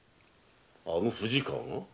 あの藤川が？